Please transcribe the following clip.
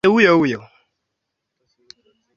anmbacho wanajaribu kukifanya na ni lazima waelewe kwamba